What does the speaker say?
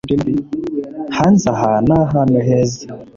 hanze ni ahantu heza